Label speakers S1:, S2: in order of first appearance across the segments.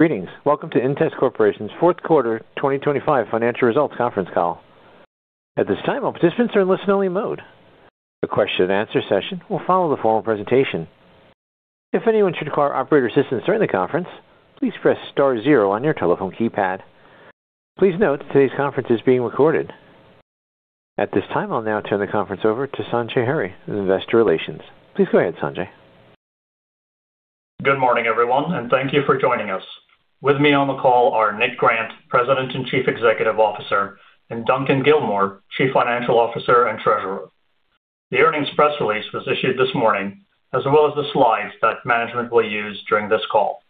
S1: Greetings. Welcome to inTEST Corporation's fourth quarter 2025 financial results conference call. At this time, all participants are in listen-only mode. The question-and-answer session will follow the formal presentation. If anyone should require operator assistance during the conference, please press star zero on your telephone keypad. Please note that today's conference is being recorded. At this time, I'll now turn the conference over to Sanjay Hurry, in Investor Relations. Please go ahead, Sanjay.
S2: Good morning, everyone, and thank you for joining us. With me on the call are Nick Grant, President and Chief Executive Officer, and Duncan Gilmore, Chief Financial Officer and Treasurer. The earnings press release was issued this morning, as well as the slides that management will use during this call.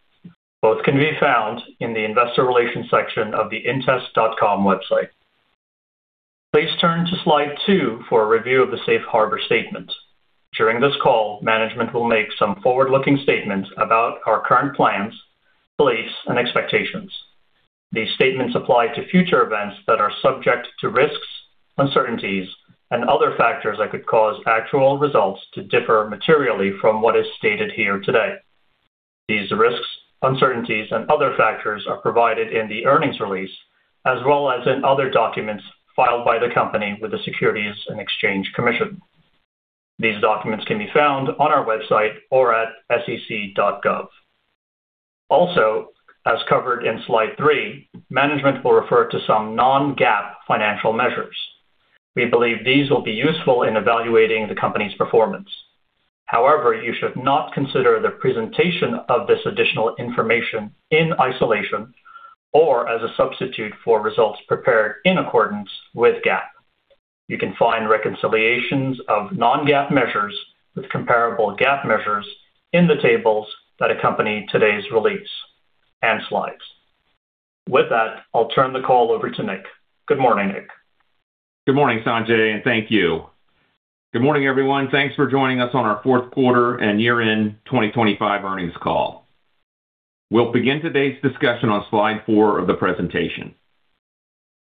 S2: Both can be found in the Investor Relations section of the intest.com website. Please turn to slide two for a review of the safe harbor statement. During this call, management will make some forward-looking statements about our current plans, beliefs, and expectations. These statements apply to future events that are subject to risks, uncertainties, and other factors that could cause actual results to differ materially from what is stated here today. These risks, uncertainties, and other factors are provided in the earnings release, as well as in other documents filed by the company with the Securities and Exchange Commission. These documents can be found on our website or at SEC.gov. As covered in slide three, management will refer to some non-GAAP financial measures. We believe these will be useful in evaluating the company's performance. You should not consider the presentation of this additional information in isolation or as a substitute for results prepared in accordance with GAAP. You can find reconciliations of non-GAAP measures with comparable GAAP measures in the tables that accompany today's release and slides. With that, I'll turn the call over to Nick. Good morning, Nick.
S3: Good morning, Sanjay, and thank you. Good morning, everyone. Thanks for joining us on our fourth quarter and year-end 2025 earnings call. We'll begin today's discussion on slide 4 of the presentation.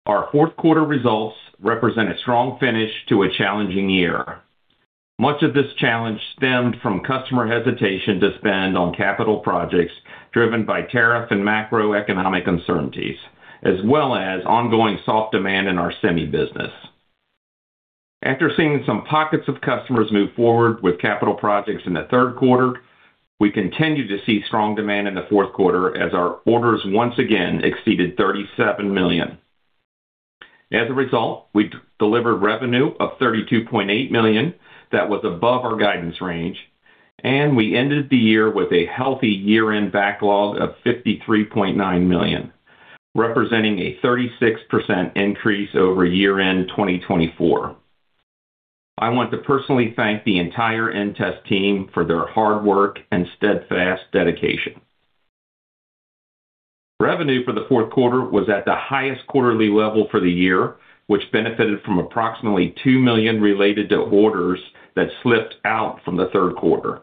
S3: Our fourth quarter results represent a strong finish to a challenging year. Much of this challenge stemmed from customer hesitation to spend on capital projects, driven by tariff and macroeconomic uncertainties, as well as ongoing soft demand in our semi business. After seeing some pockets of customers move forward with capital projects in the third quarter, we continued to see strong demand in the fourth quarter as our orders once again exceeded $37 million. As a result, we delivered revenue of $32.8 million. That was above our guidance range, and we ended the year with a healthy year-end backlog of $53.9 million, representing a 36% increase over year-end 2024. I want to personally thank the entire inTEST team for their hard work and steadfast dedication. Revenue for the fourth quarter was at the highest quarterly level for the year, which benefited from approximately $2 million related to orders that slipped out from the third quarter.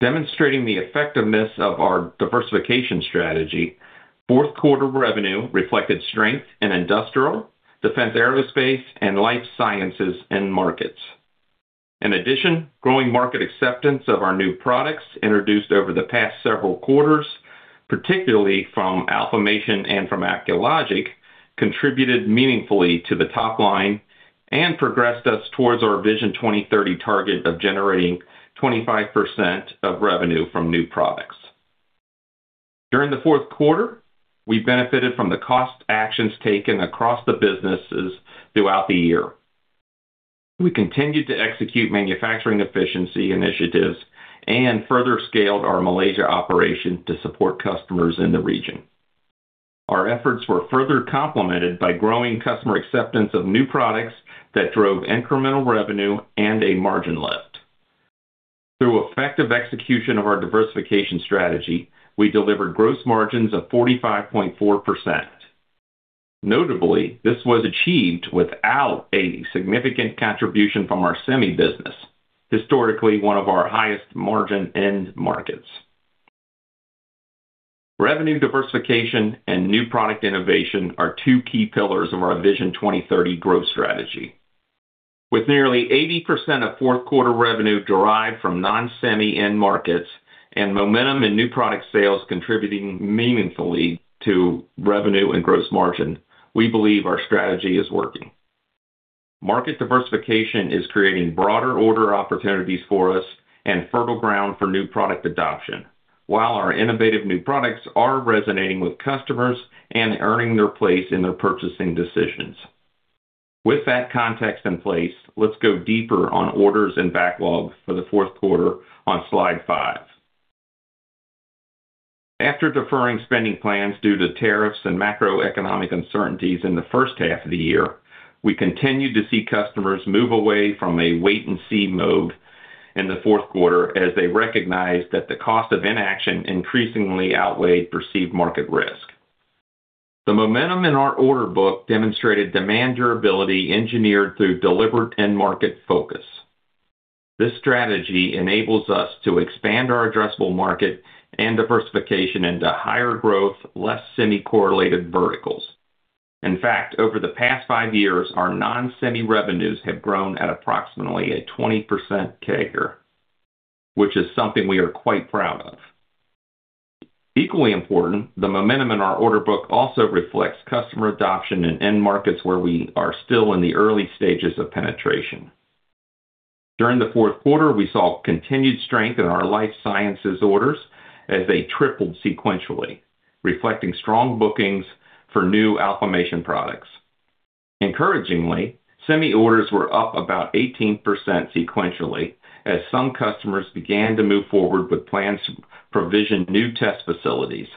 S3: Demonstrating the effectiveness of our diversification strategy, fourth quarter revenue reflected strength in industrial, defense, aerospace, and life sciences end markets. In addition, growing market acceptance of our new products introduced over the past several quarters, particularly from Alfamation and from Acculogic, contributed meaningfully to the top line and progressed us towards our VISION 2030 target of generating 25% of revenue from new products. During the fourth quarter, we benefited from the cost actions taken across the businesses throughout the year. We continued to execute manufacturing efficiency initiatives and further scaled our Malaysia operation to support customers in the region. Our efforts were further complemented by growing customer acceptance of new products that drove incremental revenue and a margin lift. Through effective execution of our diversification strategy, we delivered gross margins of 45.4%. Notably, this was achieved without a significant contribution from our semi business, historically one of our highest margin end markets. Revenue diversification and new product innovation are two key pillars of our VISION 2030 growth strategy. With nearly 80% of fourth quarter revenue derived from non-semi end markets and momentum in new product sales contributing meaningfully to revenue and gross margin, we believe our strategy is working. Market diversification is creating broader order opportunities for us and fertile ground for new product adoption, while our innovative new products are resonating with customers and earning their place in their purchasing decisions. With that context in place, let's go deeper on orders and backlogs for the fourth quarter on slide 5. After deferring spending plans due to tariffs and macroeconomic uncertainties in the first half of the year, we continued to see customers move away from a wait-and-see mode in the fourth quarter, as they recognized that the cost of inaction increasingly outweighed perceived market risk. The momentum in our order book demonstrated demand durability engineered through deliberate end-market focus. This strategy enables us to expand our addressable market and diversification into higher growth, less semi-correlated verticals. In fact, over the past 5 years, our non-semi revenues have grown at approximately a 20% CAGR, which is something we are quite proud of. Equally important, the momentum in our order book also reflects customer adoption in end markets where we are still in the early stages of penetration. During the fourth quarter, we saw continued strength in our life sciences orders as they tripled sequentially, reflecting strong bookings for new Alfamation products. Encouragingly, semi orders were up about 18% sequentially, as some customers began to move forward with plans to provision new test facilities,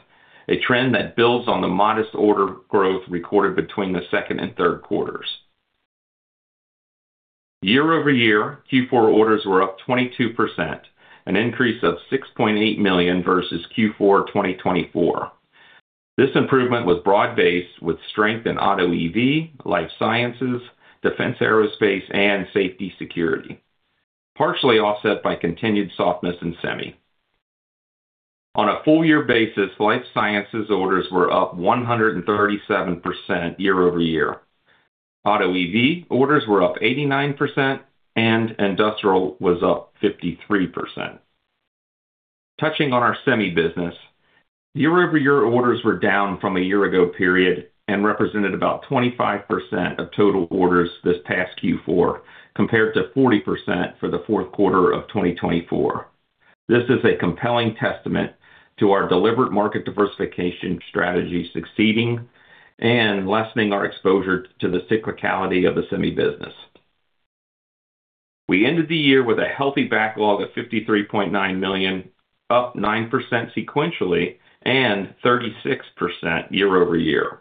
S3: a trend that builds on the modest order growth recorded between the second and third quarters. Year-over-year, Q4 orders were up 22%, an increase of $6.8 million versus Q4 2024. This improvement was broad-based, with strength in auto EV, life sciences, defense, aerospace, and safety security, partially offset by continued softness in semi. On a full year basis, life sciences orders were up 137% year-over-year. Auto EV orders were up 89%, and industrial was up 53%. Touching on our semi business, year-over-year orders were down from a year ago period and represented about 25% of total orders this past Q4, compared to 40% for the fourth quarter of 2024. This is a compelling testament to our deliberate market diversification strategy succeeding and lessening our exposure to the cyclicality of the semi business. We ended the year with a healthy backlog of $53.9 million, up 9% sequentially and 36% year-over-year.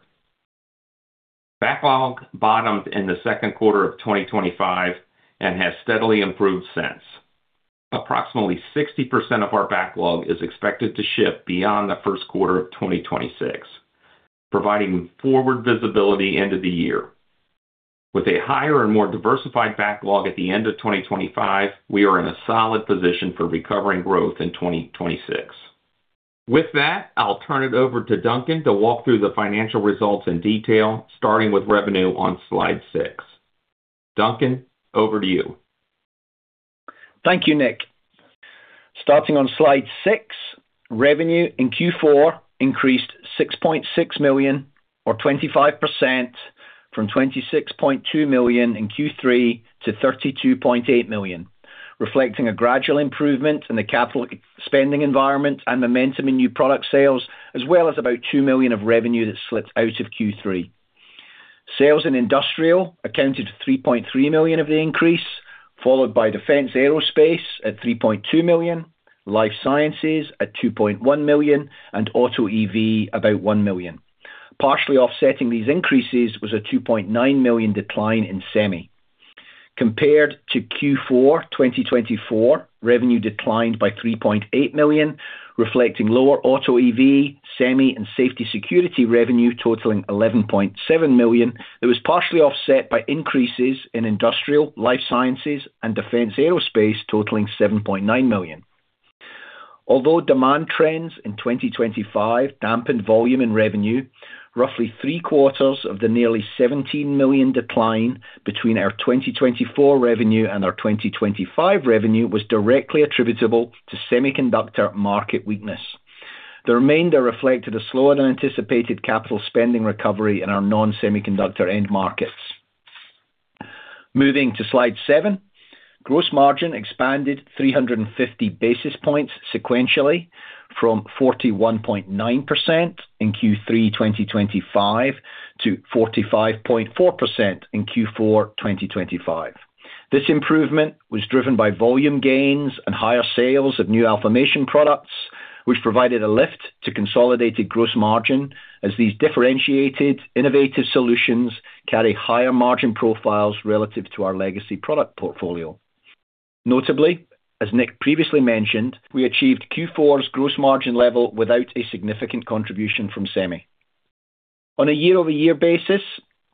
S3: Backlog bottomed in the second quarter of 2025 and has steadily improved since. Approximately 60% of our backlog is expected to ship beyond the first quarter of 2026, providing forward visibility into the year. With a higher and more diversified backlog at the end of 2025, we are in a solid position for recovering growth in 2026. With that, I'll turn it over to Duncan to walk through the financial results in detail, starting with revenue on slide six. Duncan, over to you.
S4: Thank you, Nick. Starting on slide 6, revenue in Q4 increased $6.6 million, or 25%, from $26.2 million in Q3 to $32.8 million, reflecting a gradual improvement in the capital spending environment and momentum in new product sales, as well as about $2 million of revenue that slipped out of Q3. Sales in industrial accounted for $3.3 million of the increase, followed by defense aerospace at $3.2 million, life sciences at $2.1 million, and auto/EV about $1 million. Partially offsetting these increases was a $2.9 million decline in semi. Compared to Q4 2024, revenue declined by $3.8 million, reflecting lower auto/EV, semi, and safety security revenue totaling $11.7 million. It was partially offset by increases in industrial, life sciences, and defense aerospace, totaling $7.9 million. Although demand trends in 2025 dampened volume in revenue, roughly three-quarters of the nearly $17 million decline between our 2024 revenue and our 2025 revenue was directly attributable to semiconductor market weakness. The remainder reflected a slower-than-anticipated capital spending recovery in our non-semiconductor end markets. Moving to slide seven. Gross margin expanded 350 basis points sequentially from 41.9% in Q3 2025 to 45.4% in Q4 2025. This improvement was driven by volume gains and higher sales of new Alfamation products, which provided a lift to consolidated gross margin as these differentiated, innovative solutions carry higher margin profiles relative to our legacy product portfolio. Notably, as Nick previously mentioned, we achieved Q4's gross margin level without a significant contribution from semi. On a year-over-year basis,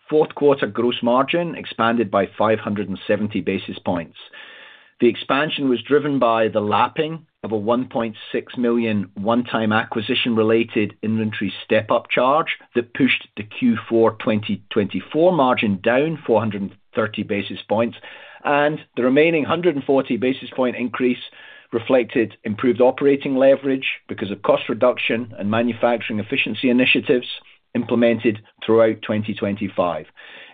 S4: fourth quarter gross margin expanded by 570 basis points. The expansion was driven by the lapping of a $1.6 million one-time acquisition-related inventory step-up charge that pushed the Q4 2024 margin down 430 basis points. The remaining 140 basis point increase reflected improved operating leverage because of cost reduction and manufacturing efficiency initiatives implemented throughout 2025.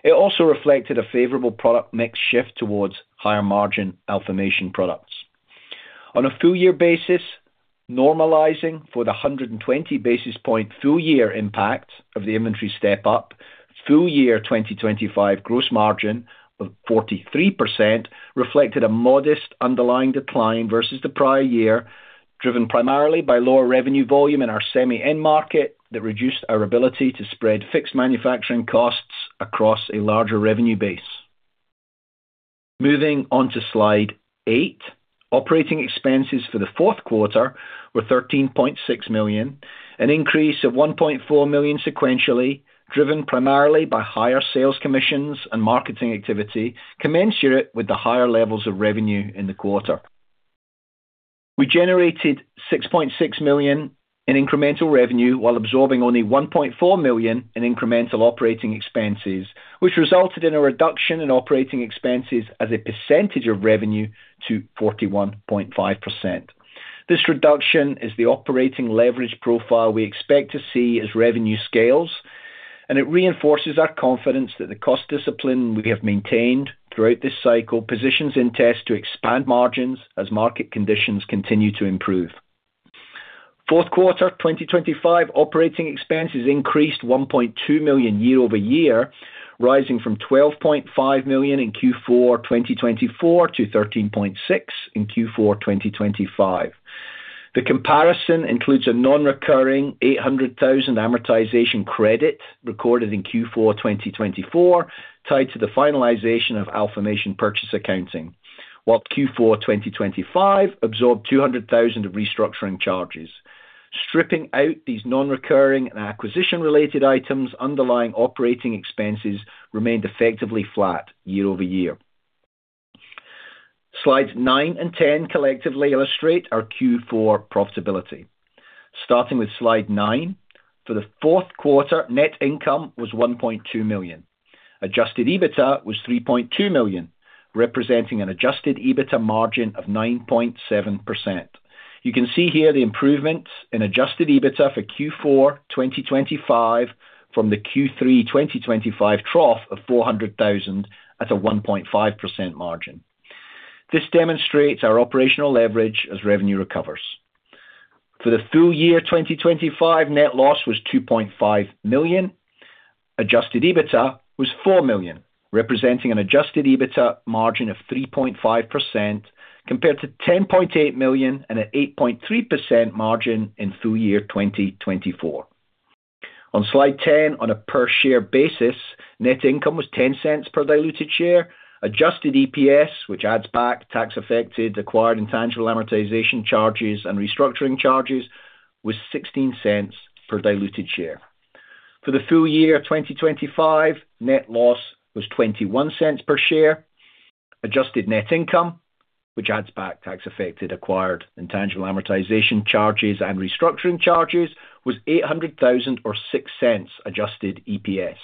S4: It also reflected a favorable product mix shift towards higher-margin Alfamation products. On a full year basis, normalizing for the 120 basis point full-year impact of the inventory step up, full year 2025 gross margin of 43% reflected a modest underlying decline versus the prior year, driven primarily by lower revenue volume in our semi-end market that reduced our ability to spread fixed manufacturing costs across a larger revenue base. Moving on to slide 8. Operating expenses for the Fourth quarter were $13.6 million, an increase of $1.4 million sequentially, driven primarily by higher sales commissions and marketing activity, commensurate with the higher levels of revenue in the quarter. We generated $6.6 million in incremental revenue, while absorbing only $1.4 million in incremental operating expenses, which resulted in a reduction in operating expenses as a percentage of revenue to 41.5%. This reduction is the operating leverage profile we expect to see as revenue scales, and it reinforces our confidence that the cost discipline we have maintained throughout this cycle positions inTEST to expand margins as market conditions continue to improve. Fourth quarter 2025 operating expenses increased $1.2 million year-over-year, rising from $12.5 million in Q4 2024 to $13.6 million in Q4 2025. The comparison includes a non-recurring $800,000 amortization credit recorded in Q4, 2024, tied to the finalization of Alfamation purchase accounting, while Q4, 2025 absorbed $200,000 of restructuring charges. Stripping out these non-recurring and acquisition-related items, underlying operating expenses remained effectively flat year-over-year. Slides 9 and 10 collectively illustrate our Q4 profitability. Starting with Slide 9, for the fourth quarter, net income was $1.2 million. Adjusted EBITDA was $3.2 million, representing an Adjusted EBITDA margin of 9.7%. You can see here the improvements in Adjusted EBITDA for Q4, 2025 from the Q3, 2025 trough of $400,000 at a 1.5% margin. This demonstrates our operational leverage as revenue recovers. For the full year, 2025 net loss was $2.5 million. Adjusted EBITDA was $4 million, representing an Adjusted EBITDA margin of 3.5%, compared to $10.8 million and an 8.3% margin in full year 2024. On Slide 10, on a per-share basis, net income was $0.10 per diluted share. Adjusted EPS, which adds back tax affected, acquired intangible amortization charges, and restructuring charges, was $0.16 per diluted share. For the full year 2025, net loss was $0.21 per share. Adjusted net income, which adds back tax affected, acquired intangible amortization charges, and restructuring charges, was $800,000 or $0.06 Adjusted EPS.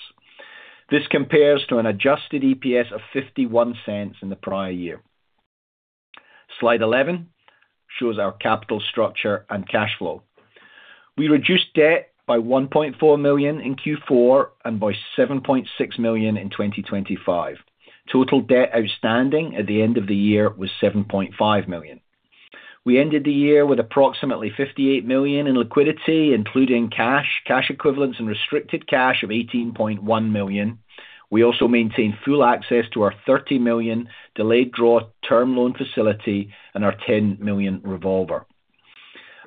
S4: This compares to an Adjusted EPS of $0.51 in the prior year. Slide 11 shows our capital structure and cash flow. We reduced debt by $1.4 million in Q4 and by $7.6 million in 2025. Total debt outstanding at the end of the year was $7.5 million. We ended the year with approximately $58 million in liquidity, including cash equivalents, and restricted cash of $18.1 million. We also maintain full access to our $30 million delayed draw term loan facility and our $10 million revolver.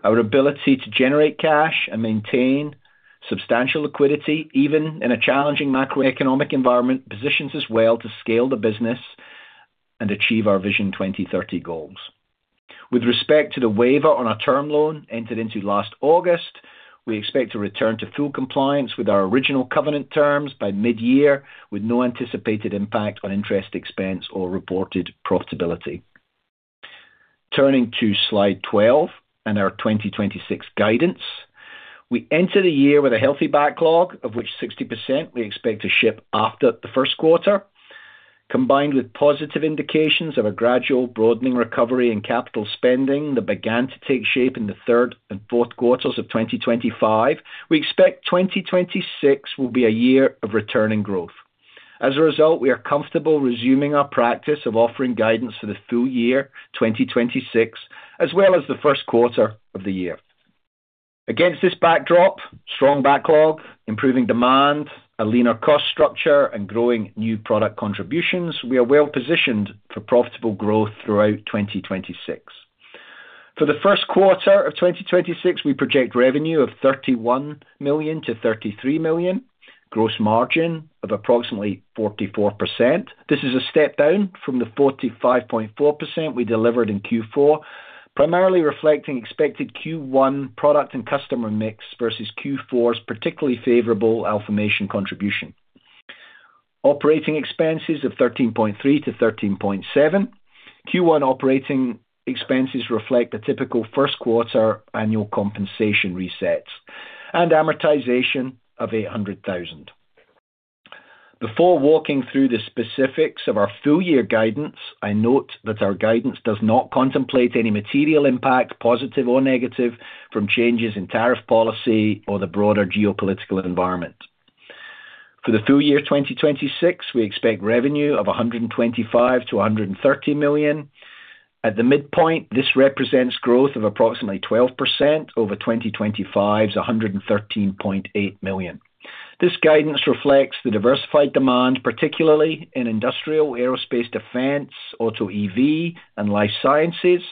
S4: Our ability to generate cash and maintain substantial liquidity, even in a challenging macroeconomic environment, positions us well to scale the business and achieve our VISION 2030 goals. With respect to the waiver on our term loan entered into last August, we expect to return to full compliance with our original covenant terms by mid-year, with no anticipated impact on interest expense or reported profitability. Turning to Slide 12 and our 2026 guidance. We enter the year with a healthy backlog, of which 60% we expect to ship after the first quarter, combined with positive indications of a gradual broadening recovery in capital spending that began to take shape in the third and fourth quarters of 2025. We expect 2026 will be a year of returning growth. As a result, we are comfortable resuming our practice of offering guidance for the full year, 2026, as well as the first quarter of the year. Against this backdrop, strong backlog, improving demand, a leaner cost structure, and growing new product contributions, we are well-positioned for profitable growth throughout 2026. For the first quarter of 2026, we project revenue of $31 million-$33 million, gross margin of approximately 44%. This is a step down from the 45.4% we delivered in Q4, primarily reflecting expected Q1 product and customer mix versus Q4's particularly favorable Alfamation contribution. Operating expenses of $13.3 million-$13.7 million. Q1 operating expenses reflect the typical first quarter annual compensation resets and amortization of $800,000. Before walking through the specifics of our full year guidance, I note that our guidance does not contemplate any material impact, positive or negative, from changes in tariff policy or the broader geopolitical environment. For the full year 2026, we expect revenue of $125 million-$130 million. At the midpoint, this represents growth of approximately 12% over 2025's, $113.8 million. This guidance reflects the diversified demand, particularly in industrial, aerospace, defense, auto EV, and life sciences,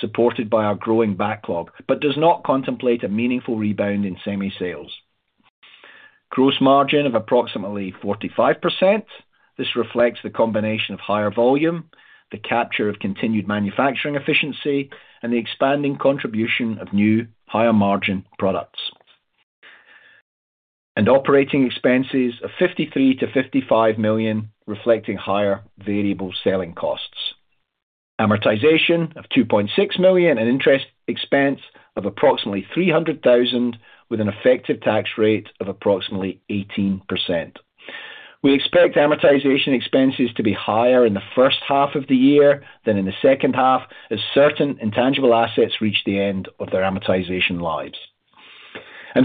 S4: supported by our growing backlog, but does not contemplate a meaningful rebound in semi sales. Gross margin of approximately 45%. This reflects the combination of higher volume, the capture of continued manufacturing efficiency, and the expanding contribution of new, higher-margin products. Operating expenses of $53 million-$55 million, reflecting higher variable selling costs. Amortization of $2.6 million, and interest expense of approximately $300,000, with an effective tax rate of approximately 18%. We expect amortization expenses to be higher in the first half of the year than in the second half, as certain intangible assets reach the end of their amortization lives.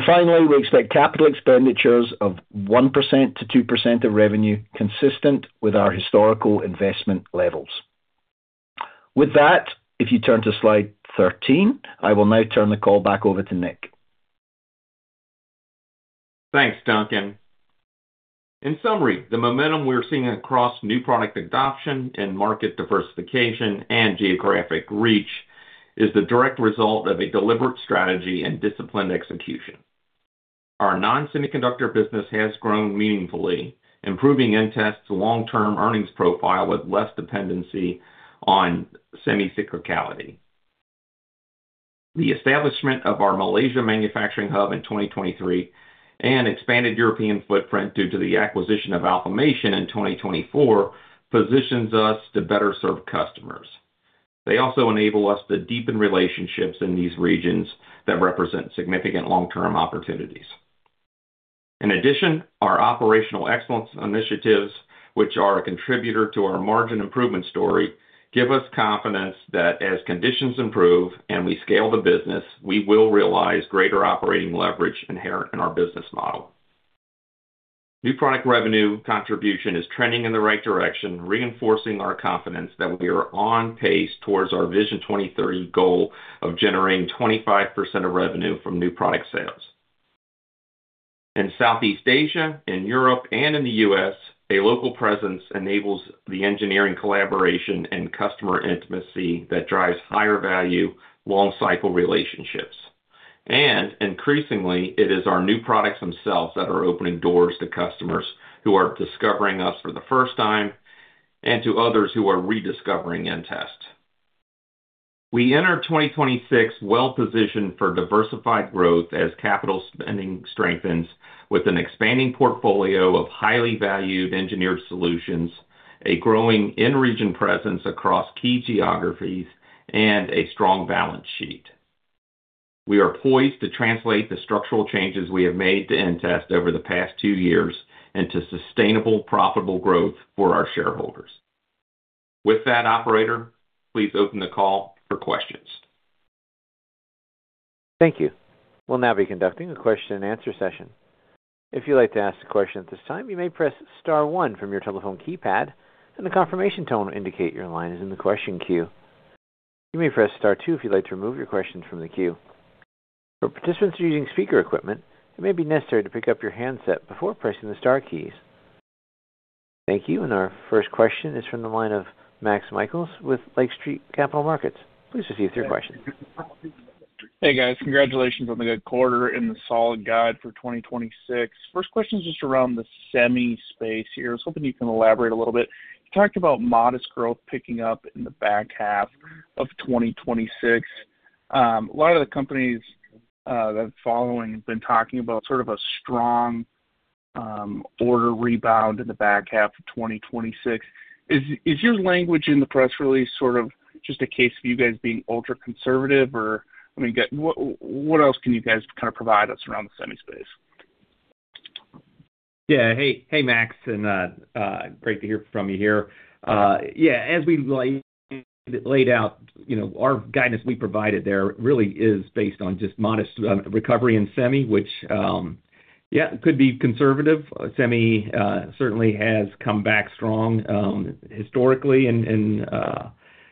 S4: Finally, we expect capital expenditures of 1%-2% of revenue, consistent with our historical investment levels. With that, if you turn to slide 13, I will now turn the call back over to Nick.
S3: Thanks, Duncan. In summary, the momentum we're seeing across new product adoption and market diversification and geographic reach is the direct result of a deliberate strategy and disciplined execution. Our non-semiconductor business has grown meaningfully, improving end-to-end long-term earnings profile with less dependency on semi cyclicality. The establishment of our Malaysia manufacturing hub in 2023 and expanded European footprint due to the acquisition of Alfamation in 2024, positions us to better serve customers. They also enable us to deepen relationships in these regions that represent significant long-term opportunities. In addition, our operational excellence initiatives, which are a contributor to our margin improvement story, give us confidence that as conditions improve and we scale the business, we will realize greater operating leverage inherent in our business model. New product revenue contribution is trending in the right direction, reinforcing our confidence that we are on pace towards our VISION 2030 goal of generating 25% of revenue from new product sales. In Southeast Asia, in Europe, and in the US, a local presence enables the engineering collaboration and customer intimacy that drives higher value, long cycle relationships. Increasingly, it is our new products themselves that are opening doors to customers who are discovering us for the first time and to others who are rediscovering inTEST. We enter 2026 well positioned for diversified growth as capital spending strengthens, with an expanding portfolio of highly valued engineered solutions, a growing in-region presence across key geographies, and a strong balance sheet. We are poised to translate the structural changes we have made to inTEST over the past two years into sustainable, profitable growth for our shareholders. With that, operator, please open the call for questions.
S1: Thank you. We'll now be conducting a question-and-answer session. If you'd like to ask a question at this time, you may press star 1 from your telephone keypad, and the confirmation tone will indicate your line is in the question queue. You may press star 2 if you'd like to remove your questions from the queue. For participants who are using speaker equipment, it may be necessary to pick up your handset before pressing the star keys. Thank you. Our first question is from the line of Maxwell Michaelis with Lake Street Capital Markets. Please proceed with your question.
S5: Hey, guys. Congratulations on the good quarter and the solid guide for 2026. First question is just around the semi space here. I was hoping you can elaborate a little bit. You talked about modest growth picking up in the back half of 2026. A lot of the companies that I'm following have been talking about sort of a strong order rebound in the back half of 2026. Is your language in the press release sort of just a case of you guys being ultra-conservative? What else can you guys kind of provide us around the semi space?
S3: Hey, hey, Max, great to hear from you here. Yeah, as we laid out, you know, our guidance we provided there really is based on just modest recovery in semi, which, yeah, could be conservative. Semi certainly has come back strong historically.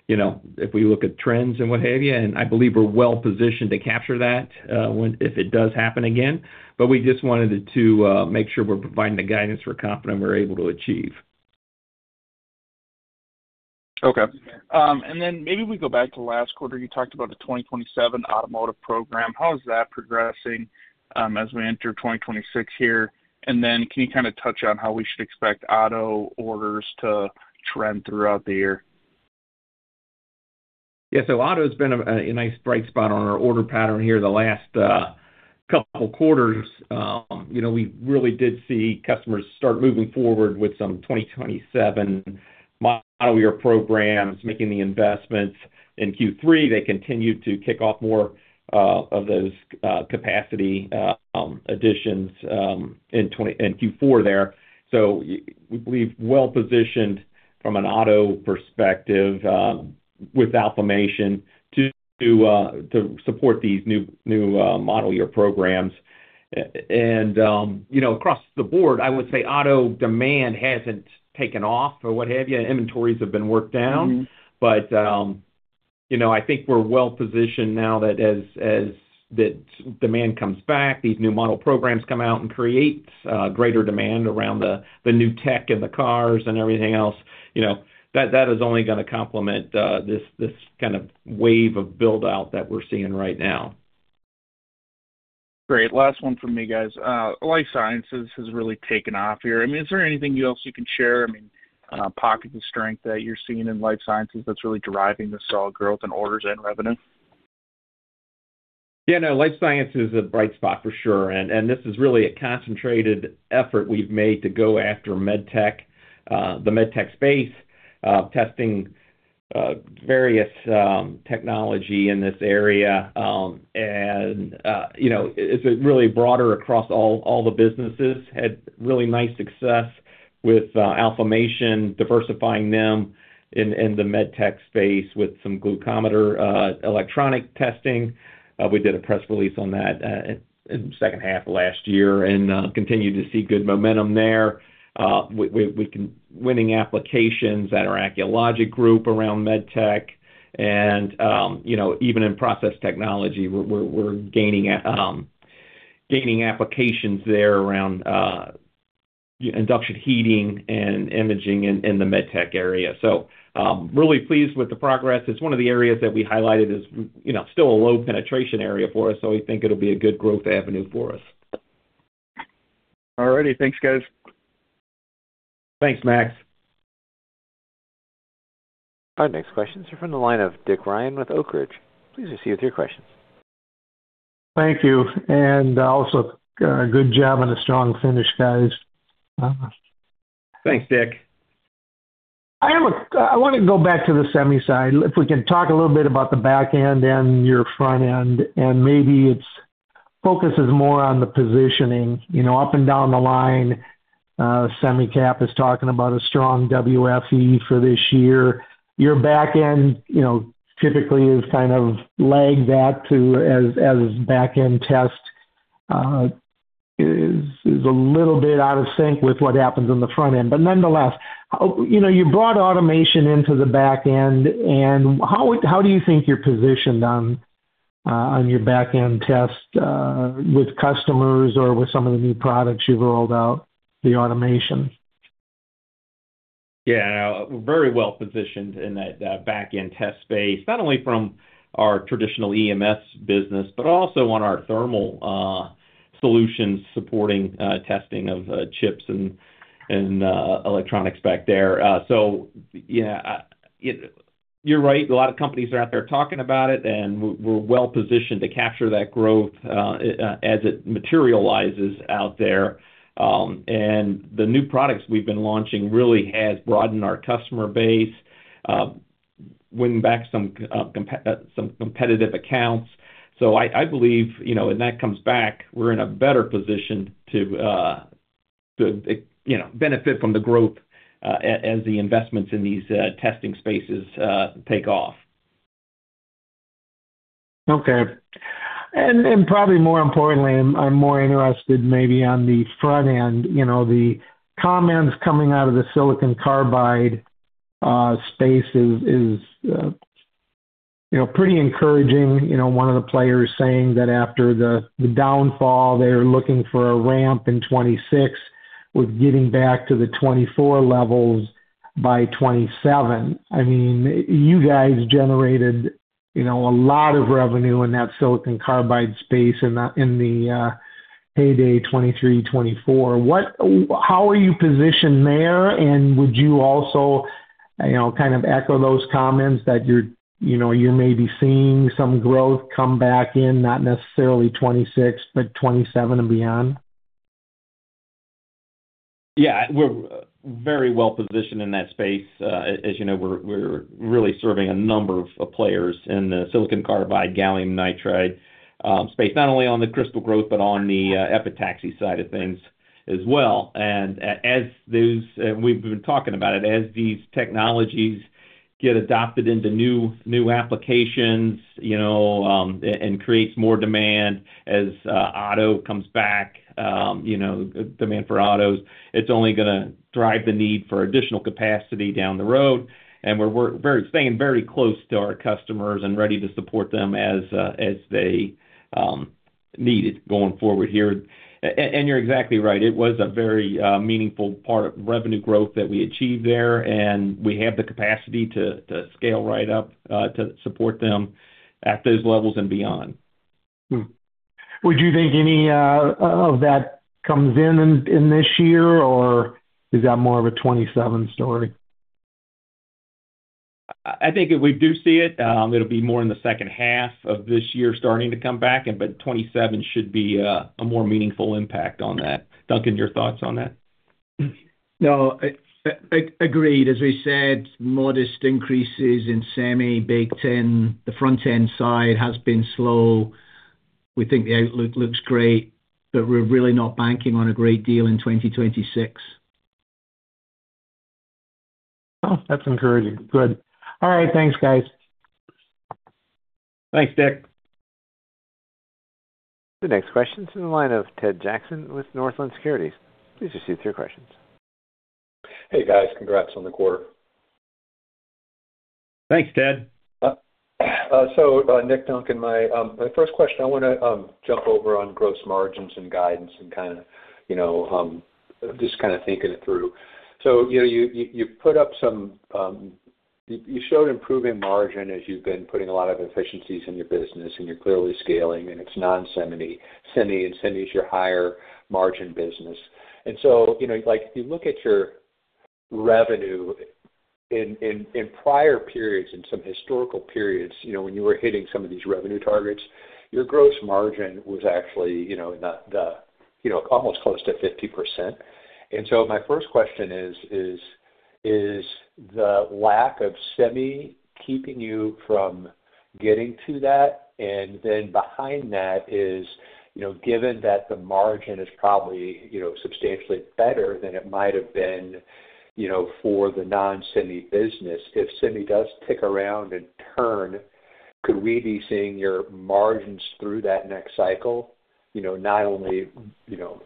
S3: You know, if we look at trends and what have you, and I believe we're well positioned to capture that if it does happen again. We just wanted to make sure we're providing the guidance we're confident we're able to achieve.
S5: Okay. Maybe we go back to last quarter. You talked about the 2027 automotive program. How is that progressing as we enter 2026 here? Can you kind of touch on how we should expect auto orders to trend throughout the year?
S3: Auto has been a nice bright spot on our order pattern here the last couple quarters. You know, we really did see customers start moving forward with some 2027 model year programs, making the investments. In Q3, they continued to kick off more of those capacity additions in Q4 there. We're well positioned from an auto perspective with Alfamation to support these model year programs. You know, across the board, I would say auto demand hasn't taken off or what have you. Inventories have been worked down.
S5: Mm-hmm.
S3: You know, I think we're well positioned now that as that demand comes back, these new model programs come out and create greater demand around the new tech and the cars and everything else. You know, that is only going to complement this kind of wave of build-out that we're seeing right now.
S5: Great. Last one from me, guys. life sciences has really taken off here. I mean, is there anything else you can share? I mean, pockets of strength that you're seeing in life sciences that's really driving the solid growth in orders and revenue?
S3: No, life science is a bright spot for sure, and this is really a concentrated effort we've made to go after medtech, the medtech space, testing, various technology in this area. You know, it's, it really broader across all the businesses. Had really nice success with Alfamation, diversifying them in the medtech space with some glucometer electronic testing. We did a press release on that in the second half of last year, and continue to see good momentum there. We winning applications at our Acculogic group around medtech and, you know, even in process technology, we're gaining applications there around induction heating and imaging in the medtech area. Really pleased with the progress. It's one of the areas that we highlighted as, you know, still a low penetration area for us. We think it'll be a good growth avenue for us.
S5: All righty. Thanks, guys.
S3: Thanks, Max.
S1: Our next question is from the line of Dick Ryan with Oak Ridge. Please proceed with your question.
S6: Thank you, and, also, good job on the strong finish, guys.
S3: Thanks, Dick.
S6: I want to go back to the semi side. We can talk a little bit about the back-end and your front end, and maybe its focus is more on the positioning. You know, up and down the line, Semicap is talking about a strong WFE for this year. Your back-end, you know, typically is kind of lag that to, as back-end test is a little bit out of sync with what happens on the front end. Nonetheless, you know, you brought automation into the back-end, and how do you think you're positioned on your back-end test with customers or with some of the new products you've rolled out, the automation?
S3: We're very well positioned in that back-end test space, not only from our traditional EMS business, but also on our thermal solutions, supporting testing of chips and electronics back there. Yeah, you're right. A lot of companies are out there talking about it, and we're well positioned to capture that growth as it materializes out there. The new products we've been launching really has broadened our customer base, winning back some competitive accounts. I believe, you know, when that comes back, we're in a better position to, you know, benefit from the growth as the investments in these testing spaces take off.
S6: Okay. Probably more importantly, I'm more interested maybe on the front end. The comments coming out of the silicon carbide space is pretty encouraging. One of the players saying that after the downfall, they're looking for a ramp in 2026, with getting back to the 2024 levels by 2027. I mean, you guys generated, you know, a lot of revenue in that silicon carbide space in the heyday, 2023, 2024. How are you positioned there, and would you also, you know, kind of echo those comments that you're, you know, you may be seeing some growth come back in, not necessarily 2026, but 2027 and beyond?
S3: Yeah, we're very well positioned in that space. As you know, we're really serving a number of players in the silicon carbide, gallium nitride space, not only on the crystal growth but on the epitaxy side of things as well. We've been talking about it, as these technologies get adopted into new applications, you know, creates more demand as auto comes back, you know, demand for autos, it's only gonna drive the need for additional capacity down the road. We're staying very close to our customers and ready to support them as they need it going forward here. You're exactly right. It was a very meaningful part of revenue growth that we achieved there, and we have the capacity to scale right up to support them at those levels and beyond.
S6: Would you think any of that comes in in this year, or is that more of a 2027 story?
S3: I think if we do see it'll be more in the second half of this year starting to come back, but 2027 should be a more meaningful impact on that. Duncan, your thoughts on that?
S4: No, agreed. We said, modest increases in semi, big ten. The front-end side has been slow. We think the outlook looks great, but we're really not banking on a great deal in 2026.
S6: Oh, that's encouraging. Good. All right. Thanks, guys.
S3: Thanks, Dick.
S1: The next question is in the line of Ted Jackson with Northland Securities. Please proceed with your questions.
S7: Hey, guys. Congrats on the quarter.
S3: Thanks, Ted.
S7: Nick, Duncan, my first question, I wanna jump over on gross margins and guidance and kind of, you know, just kind of thinking it through. You know, you put up some, you showed improving margin as you've been putting a lot of efficiencies in your business, and you're clearly scaling, and it's non-semi. Semi and semi is your higher margin business. If you look at your revenue in prior periods, in some historical periods, you know, when you were hitting some of these revenue targets, your gross margin was actually, you know, not the, you know, almost close to 50%. My first question is the lack of semi keeping you from getting to that? Then behind that is, you know, given that the margin is probably, you know, substantially better than it might have been, you know, for the non-semi business. If semi does tick around and turn, could we be seeing your margins through that next cycle? You know, not only, you know,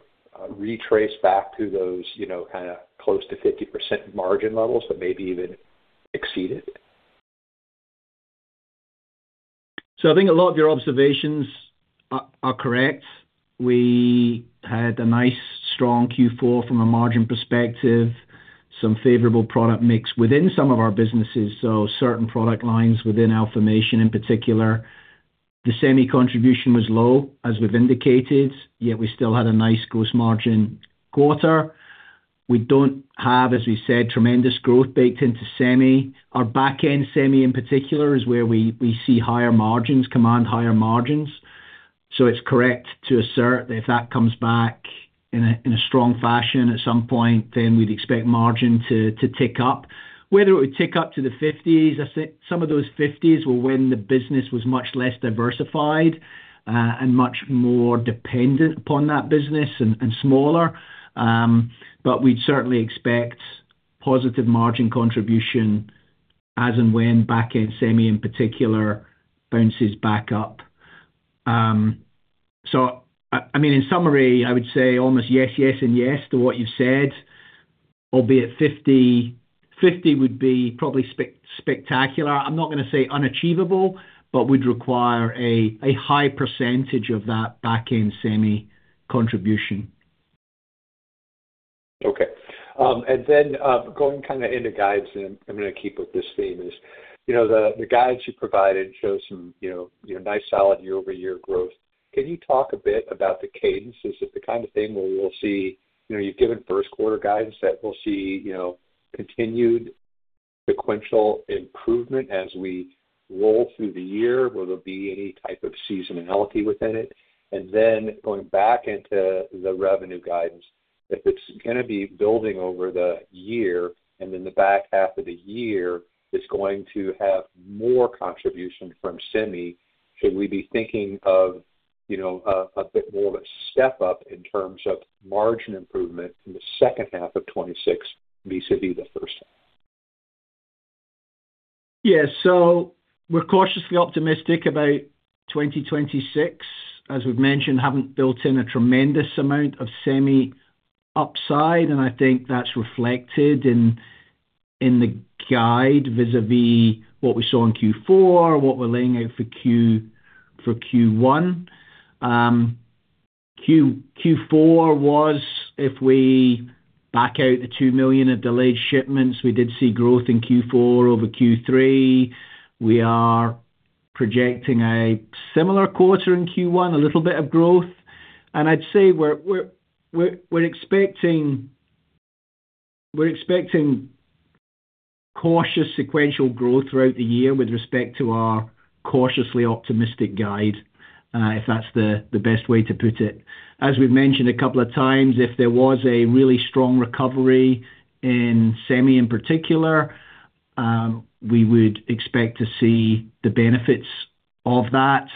S7: retrace back to those, you know, kind of close to 50% margin levels, but maybe even exceed it.
S4: I think a lot of your observations are correct. We had a nice strong Q4 from a margin perspective, some favorable product mix within some of our businesses, so certain product lines within Alfamation in particular. The semi contribution was low, as we've indicated, yet we still had a nice gross margin quarter. We don't have, as we said, tremendous growth baked into semi. Our back-end semi, in particular, is where we see higher margins, command higher margins. It's correct to assert that if that comes back in a strong fashion at some point, then we'd expect margin to tick up. Whether it would tick up to the 50s, I think some of those 50s were when the business was much less diversified and much more dependent upon that business and smaller. We'd certainly expect positive margin contribution as and when back-end semi, in particular, bounces back up. I mean, in summary, I would say almost yes, and yes to what you said. Albeit 50/50 would be probably spectacular. I'm not gonna say unachievable, but would require a high percentage of that back-end semi contribution.
S7: Okay. Then, going kind of into guides, and I'm gonna keep with this theme is, you know, the guides you provided show some, you know, nice solid year-over-year growth. Can you talk a bit about the cadence? Is it the kind of thing where, you know, you've given first quarter guidance, that we'll see, you know, continued sequential improvement as we roll through the year? Will there be any type of seasonality within it? Then going back into the revenue guidance, if it's gonna be building over the year, and then the back half of the year is going to have more contribution from semi, should we be thinking of, you know, a bit more of a step up in terms of margin improvement in the second half of 2026 vis-a-vis the first half?
S4: Yeah. We're cautiously optimistic about 2026. As we've mentioned, haven't built in a tremendous amount of semi upside. I think that's reflected in the guide vis-a-vis what we saw in Q4, what we're laying out for Q1. Q4 was if we back out the $2 million of delayed shipments, we did see growth in Q4 over Q3. We are projecting a similar quarter in Q1, a little bit of growth. I'd say we're expecting cautious sequential growth throughout the year with respect to our cautiously optimistic guide, if that's the best way to put it. As we've mentioned a couple of times, if there was a really strong recovery in semi, in particular, we would expect to see the benefits of that.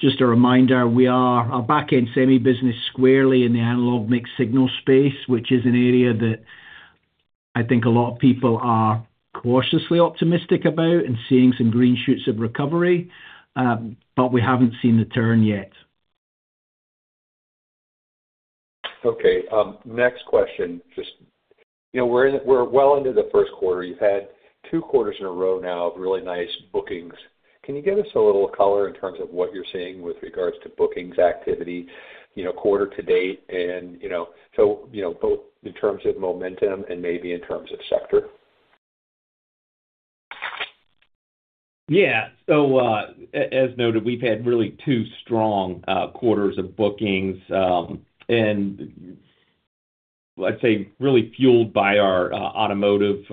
S4: Just a reminder, we are a back-end semi business squarely in the analog mixed-signal space, which is an area that I think a lot of people are cautiously optimistic about and seeing some green shoots of recovery, but we haven't seen the turn yet.
S7: Okay, next question. Just, you know, we're well into the 1st quarter. You've had 2 quarters in a row now of really nice bookings. Can you give us a little color in terms of what you're seeing with regards to bookings activity, you know, quarter to date? You know, so, you know, both in terms of momentum and maybe in terms of sector.
S3: As noted, we've had really two strong quarters of bookings, and I'd say really fueled by our automotive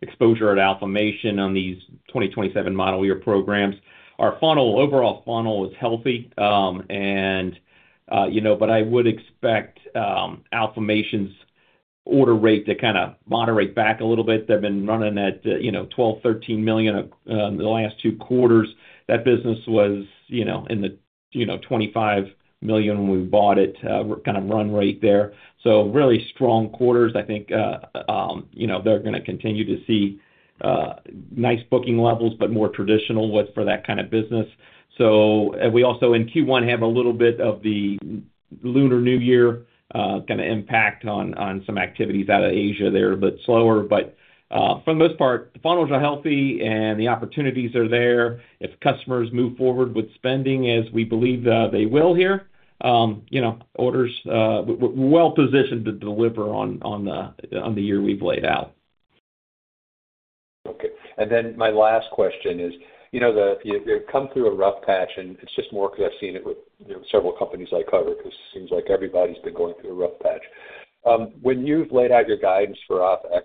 S3: exposure at Alfamation on these 2027 model year programs. Our funnel, overall funnel is healthy, you know, I would expect Alfamation's order rate to kind of moderate back a little bit. They've been running at, you know, $12 million-$13 million the last two quarters. That business was, you know, in the, you know, $25 million when we bought it, kind of run rate there. Really strong quarters. I think, you know, they're gonna continue to see nice booking levels, but more traditional what for that kind of business. And we also in Q1, have a little bit of the Lunar New Year, gonna impact on some activities out of Asia there, a bit slower. For the most part, the funnels are healthy and the opportunities are there. If customers move forward with spending, as we believe they will here, you know, orders, we're well positioned to deliver on the year we've laid out.
S7: Then my last question is, you know, you've come through a rough patch, and it's just more because I've seen it with, you know, several companies I cover, because it seems like everybody's been going through a rough patch. When you've laid out your guidance for OpEx,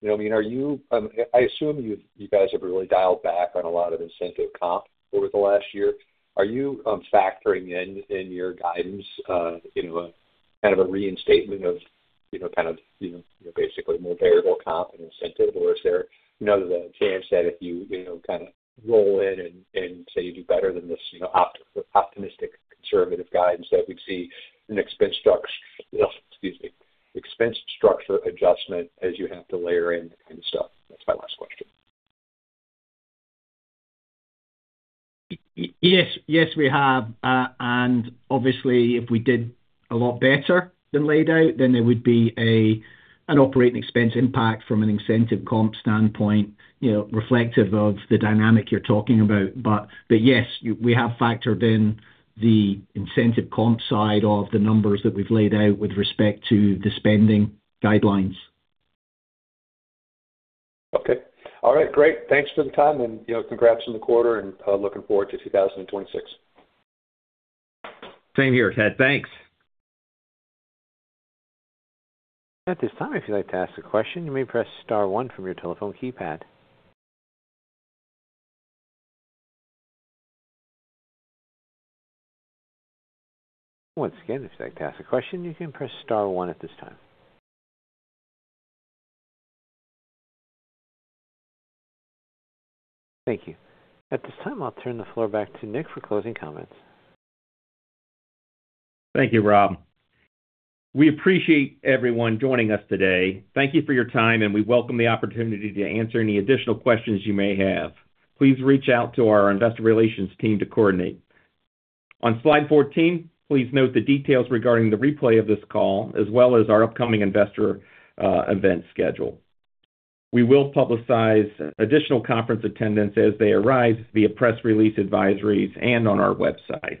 S7: you know, I mean, are you, I assume you guys have really dialed back on a lot of incentive comp over the last year. Are you factoring in your guidance, you know, kind of a reinstatement of, you know, basically more variable comp and incentive? Is there another chance that if you know, kind of roll in and say you do better than this, you know, optimistic, conservative guidance, that we'd see an expense structure, excuse me, expense structure adjustment as you have to layer in that kind of stuff? That's my last question.
S3: Yes. Yes, we have. Obviously, if we did a lot better than laid out, then there would be an operating expense impact from an incentive comp standpoint, you know, reflective of the dynamic you're talking about. Yes, we have factored in the incentive comp side of the numbers that we've laid out with respect to the spending guidelines.
S7: Okay. All right, great. Thanks for the time, and, you know, congrats on the quarter and looking forward to 2026.
S3: Same here, Ted. Thanks.
S1: At this time, if you'd like to ask a question, you may press star one from your telephone keypad. Once again, if you'd like to ask a question, you can press star one at this time. Thank you. At this time, I'll turn the floor back to Nick for closing comments.
S3: Thank you, Rob. We appreciate everyone joining us today. Thank you for your time, and we welcome the opportunity to answer any additional questions you may have. Please reach out to our investor relations team to coordinate. On slide 14, please note the details regarding the replay of this call, as well as our upcoming investor event schedule. We will publicize additional conference attendance as they arise via press release advisories and on our website.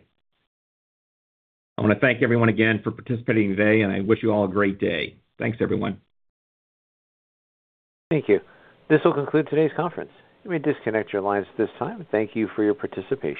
S3: I want to thank everyone again for participating today, and I wish you all a great day. Thanks, everyone.
S1: Thank you. This will conclude today's conference. You may disconnect your lines at this time, and thank you for your participation.